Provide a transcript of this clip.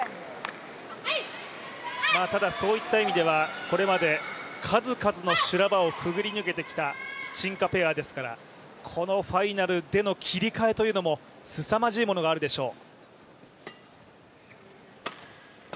ただ、そういった意味では、これまで数々の修羅場をくぐり抜けてきた陳・賈ペアですから、このファイナルでの切り替えというのもすさまじいものがあるでしょう。